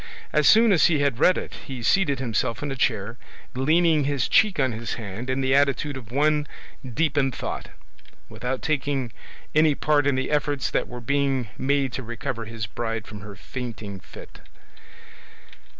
As soon as he had read it he seated himself in a chair, leaning his cheek on his hand in the attitude of one deep in thought, without taking any part in the efforts that were being made to recover his bride from her fainting fit.